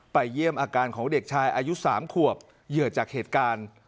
เยี่ยมอาการของเด็กชายอายุ๓ขวบเหยื่อจากเหตุการณ์